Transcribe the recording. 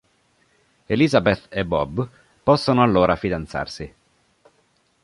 Elizabeth e Bob possono allora fidanzarsi.